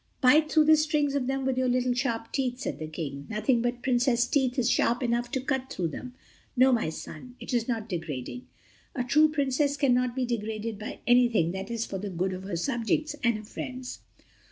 "Bite through the strings of them with your little sharp teeth," said the King, "nothing but Princess teeth is sharp enough to cut through them. No, my son—it is not degrading. A true Princess cannot be degraded by anything that is for the good of her subjects and her friends."